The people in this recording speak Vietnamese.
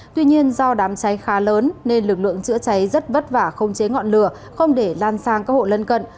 tuy nhiên do đám cháy khá lớn nên lực lượng chữa cháy rất vất vả không chế ngọn lửa không để lan sang các hộ lân cận